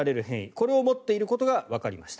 これを持っていることがわかりました。